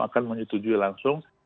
akan menyetujui langsung